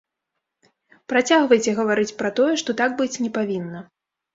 Працягвайце гаварыць пра тое, што так быць не павінна.